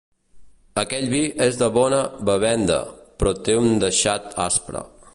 Aquell vi és de bona bevenda, però té un deixat aspre.